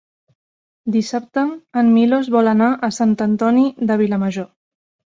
Dissabte en Milos vol anar a Sant Antoni de Vilamajor.